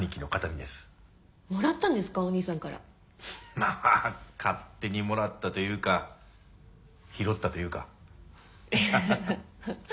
まあ勝手にもらったというか拾ったというかハハハハ。